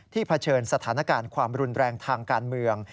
เผชิญสถานการณ์ความรุนแรงทางการเมือง